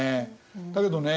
だけどね